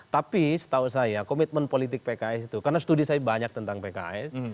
tapi setahu saya komitmen politik pks itu karena studi saya banyak tentang pks